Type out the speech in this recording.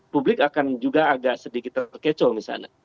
publik akan juga agak sedikit terkecoh misalnya